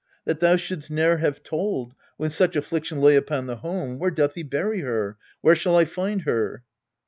That thou should'st ne'er have told, When such affliction lay upon the home! Where doth he bury her? Where shall I find her?